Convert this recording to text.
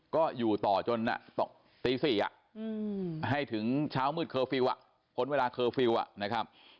ก็อยู่ต่อจนตี๔ให้ถึงเช้ามืดเคอร์ฟิลล์พ้นเวลาเคอร์ฟิลล์นะครับ